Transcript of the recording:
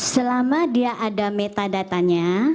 selama dia ada metadata nya